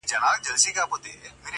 د ځنګله په غرڅه ګانو کي سردار وو -